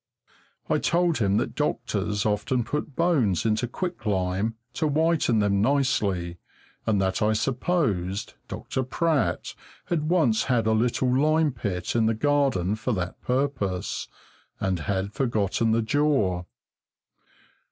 I told him that doctors often put bones into quicklime to whiten them nicely, and that I supposed Dr. Pratt had once had a little lime pit in the garden for that purpose, and had forgotten the jaw.